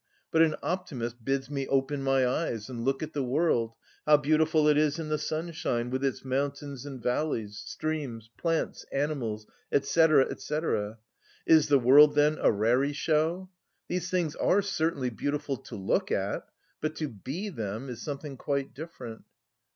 But an optimist bids me open my eyes and look at the world, how beautiful it is in the sunshine, with its mountains and valleys, streams, plants, animals, &c. &c. Is the world, then, a rareeshow? These things are certainly beautiful to look at, but to be them is something quite different.